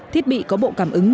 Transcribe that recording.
thiết bị có bộ cảm ứng nhận dịch